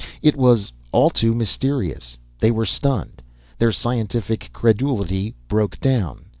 It was all too mysterious. They were stunned. Their scientific credulity broke down.